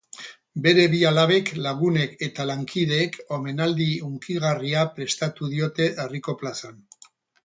Bere bi alabek, lagunek eta lankideek omenaldi hunkigarria prestatu diote herriko plazan.